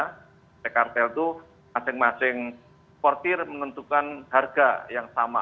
di kartel itu masing masing portir menentukan harga yang sama